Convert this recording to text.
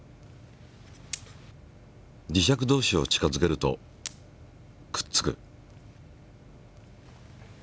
磁石どうしを近づけるとくっつく。